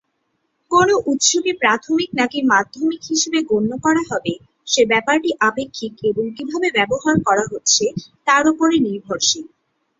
কোনও উৎসকে প্রাথমিক নাকি মাধ্যমিক হিসেবে গণ্য করা হবে, সে ব্যাপারটি আপেক্ষিক এবং কীভাবে ব্যবহার করা হচ্ছে, তার উপরে নির্ভরশীল।